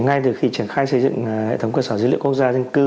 ngay từ khi triển khai xây dựng hệ thống cơ sở dữ liệu quốc gia dân cư